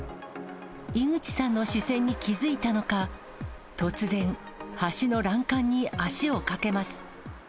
井口さんの視線に気付いたのか、突然、橋の欄干に足をかけます。